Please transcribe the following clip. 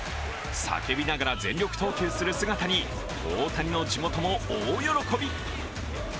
叫びながら全力投球する姿に大谷の地元も大喜び。